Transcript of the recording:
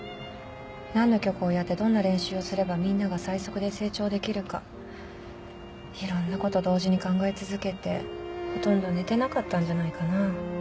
何の曲をやってどんな練習をすればみんなが最速で成長できるかいろんなこと同時に考え続けてほとんど寝てなかったんじゃないかな。